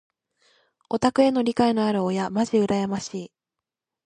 オタクへの理解のある親まじ羨ましい。